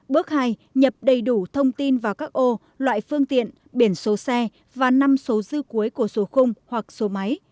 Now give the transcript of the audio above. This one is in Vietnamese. bước hai nhập đầy đủ thông tin vào các ô loại phương tiện biển số xe và năm số dư cuối của số khung hoặc số máy